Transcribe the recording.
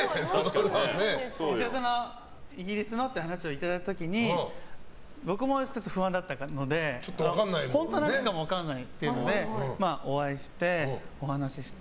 イギリスのっていう話をいただいた時に僕もちょっと不安だったので本当かどうかも分からないというのでお会いしてお話しして。